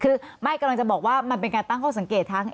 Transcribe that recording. คือไม่กำลังจะบอกว่ามันเป็นการตั้งข้อสังเกตทั้ง